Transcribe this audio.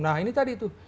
nah ini tadi tuh